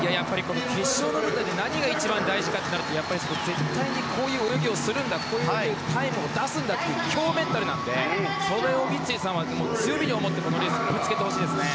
決勝の舞台で何が一番大事になるかというとやっぱり絶対にこういう泳ぎをするんだこういうタイムを出すんだという強メンタルなのでそれを三井さんは強みと思ってこのレースにぶつけてほしい。